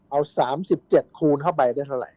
เอา๓๗คูณเข้าไปได้เท่าไหร